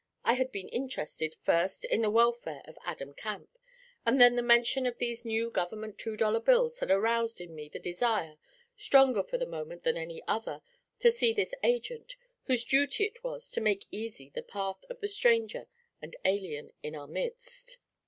I had been interested, first, in the welfare of Adam Camp, and then the mention of these new Government two dollar bills had aroused in me the desire, stronger for the moment than any other, to see this 'agent' whose duty it was to make easy the path of the stranger and alien in our midst.